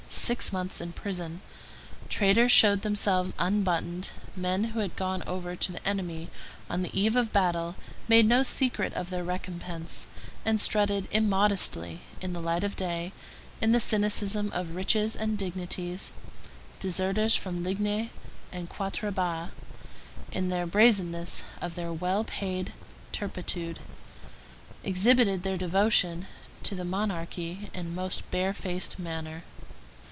Six months in prison. Traitors showed themselves unbuttoned; men who had gone over to the enemy on the eve of battle made no secret of their recompense, and strutted immodestly in the light of day, in the cynicism of riches and dignities; deserters from Ligny and Quatre Bras, in the brazenness of their well paid turpitude, exhibited their devotion to the monarchy in the most barefaced manner.